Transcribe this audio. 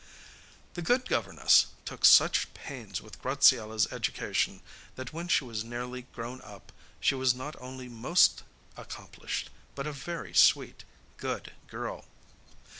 The good governess took such pains with Graziella's education that when she was nearly grown up she was not only most accomplished, but a very sweet, good girl.